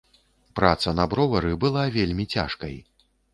Праца на бровары была вельмі цяжкай.